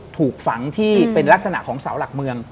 ถูกฝังที่เป็นลักษณะของเสาหลักเมือง